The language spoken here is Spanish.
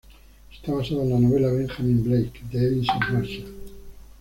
Está basada en la novela "Benjamin Blake", de Edison Marshall.